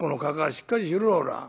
しっかりしろほら」。